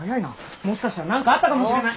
もしかしたら何かあったかもしれない。